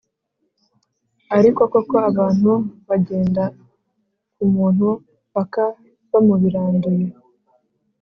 Ariko Koko abantu bagenda ku muntu paka bamubiranduye.